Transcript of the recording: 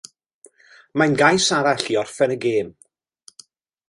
Mae'n gais arall i orffen y gêm.